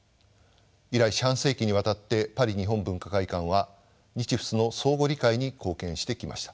以来四半世紀にわたってパリ日本文化会館は日仏の相互理解に貢献してきました。